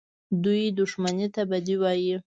دوى دښمني ته بدي وايي.